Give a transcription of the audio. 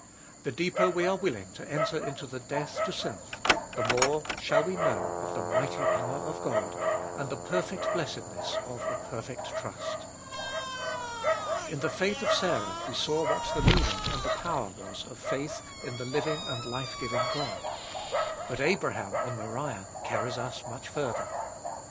The deeper we are willing to enter into the death to self, the more shall we know of the mighty power of God, and the perfect blessedness of a perfect trust. In the faith of Sarah we saw what the meaning and the power was of faith in the living and life giving God. But Abraham on Moriah carries us much further.